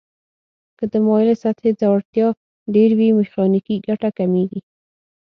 که د مایلې سطحې ځوړتیا ډیر وي میخانیکي ګټه کمیږي.